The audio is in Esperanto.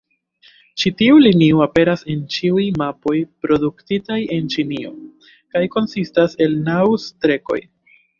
Ĉi tiu linio aperas en ĉiuj mapoj produktitaj en Ĉinio, kaj konsistas el naŭ-strekoj.